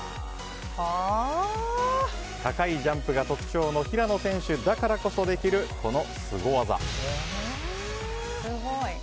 高いジャンプが特徴の平野選手だからこそできるこのスゴ技。